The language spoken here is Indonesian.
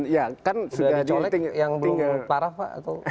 sudah dicolek yang belum parah pak